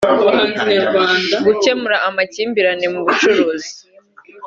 gukemura amakimbirane mu bucuruzi